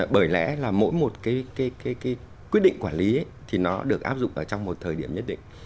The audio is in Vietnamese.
bởi lẽ là mỗi một cái quyết định quản lý thì nó được áp dụng ở trong một thời điểm nhất định